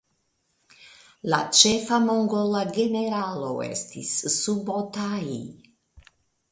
La ĉefa mongola generalo estis Subotai.